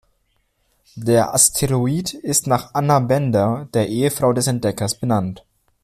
Der Asteroid ist nach Anna Benda, der Ehefrau des Entdeckers, benannt.